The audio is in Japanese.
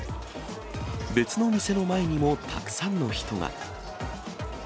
別の店の前にもたくさんの人が。